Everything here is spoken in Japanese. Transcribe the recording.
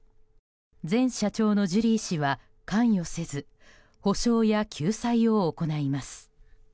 前社長のジュリー氏は関与せず補償や救済を行います。